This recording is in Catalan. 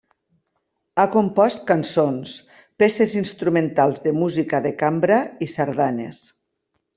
Ha compost cançons, peces instrumentals de música de cambra i sardanes.